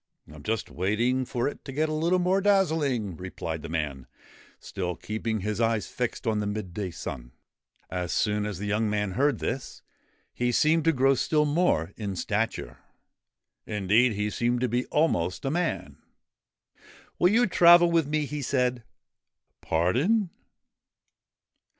' I am just waiting for it to get a little more dazzling,' replied the man, still keeping his eyes fixed on the midday sun. As soon as the young man heard this he seemed to grow still more in stature. Indeed, he seemed to be almost a man. 'Will you travel with me? ' he said. 'Pardon?'